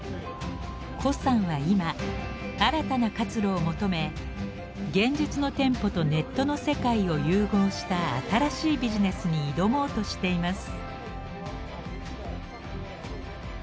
胡さんは今新たな活路を求め現実の店舗とネットの世界を融合した新しいビジネスに挑もうとしています。